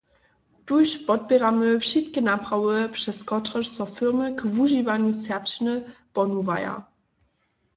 Tuž podpěramy wšitke naprawy, přez kotrež so firmy k wužiwanju serbšćiny pohnuwaja.